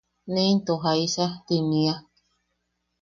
“¿ne into jaisa?” ti nia.